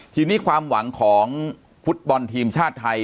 ทีนี้ความหวังของฟุตบอลทีมชาติไทย